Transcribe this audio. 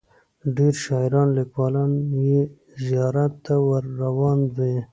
ډیر شاعران لیکوالان یې زیارت ته ور روان وي.